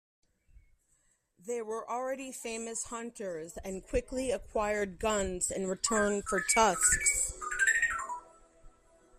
They were already famous hunters and quickly acquired guns in return for tusks.